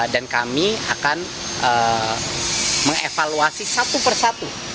dan kami akan mengevaluasi satu persatu